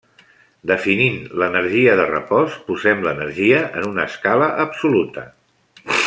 Definint l'energia de repòs posem l'energia en una escala absoluta.